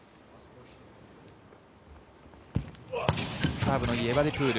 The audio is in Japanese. サーブのいいエバディプール。